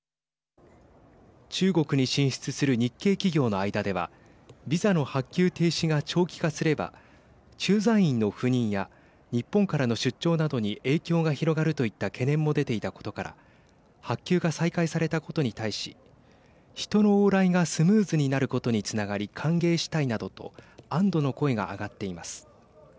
中国に進出する日系企業の間ではビザの発給停止が長期化すれば駐在員の赴任や日本からの出張などに影響が広がるといった懸念も出ていたことから発給が再開されたことに対し人の往来がスムーズになることにつながり歓迎したいなどと安どの声が上がっています。